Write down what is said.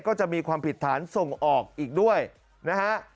ก็จะมีความผิดฐานส่งออกอีกด้วยนะฮะ